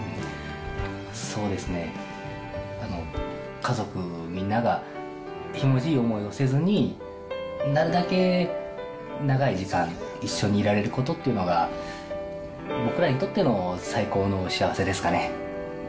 家族みんながひもじい思いをせずに、なるだけ長い時間一緒にいられることっていうのが、僕らにとっての最高の幸せですかね。